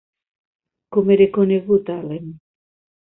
Com era conegut Allen?